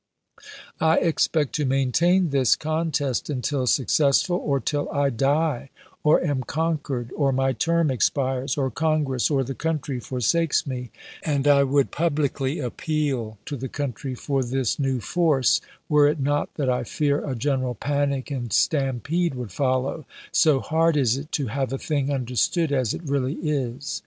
I expect to maintain this contest until successful, or till I die, or am conquered, or my term expires, or Congress or the coun try forsakes me; and I would publicly appeal to the country for this new force, were it not that I fear a general panic and stampede would follow, so hard is it to have a thing understood as it really is.